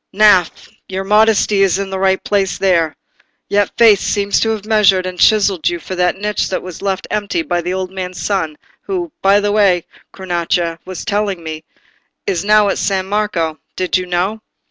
"Gnaffè, your modesty is in the right place there. Yet fate seems to have measured and chiselled you for the niche that was left empty by the old man's son, who, by the way, Cronaca was telling me, is now at San Marco. Did you know?"